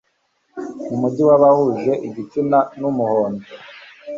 Mu mujyi wabahuje igitsina numuhondo